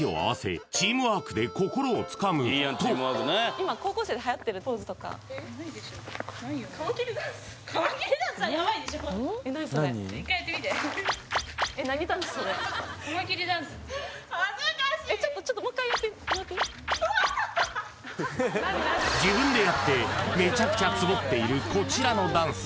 今回は２人で自分でやってめちゃくちゃツボっているこちらのダンス